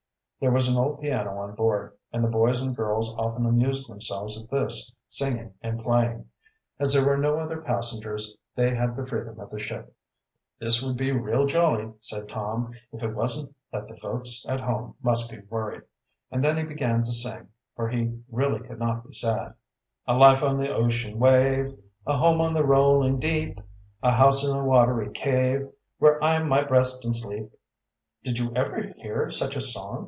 There was an old piano on board, and the boys and girls often amused themselves at this, singing and playing. As there were no other passengers, they had the freedom of the ship. "This would be real jolly," said Tom, "if it wasn't that the folks at home must be worried," and then he began to sing, for he really could not be sad: "A life on the ocean wave, A home on the rolling deep, A house in a watery cave Where I might rest in sleep!" "Did you ever hear such a song?"